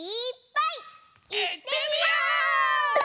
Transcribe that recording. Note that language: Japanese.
いってみよう！